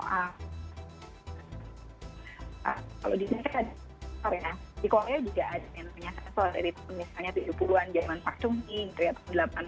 kalau di indonesia kan ada di korea juga ada yang menyatakan soal ini